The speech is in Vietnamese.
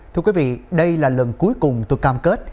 thưa quý vị đây là lần cuối cùng tôi cam kết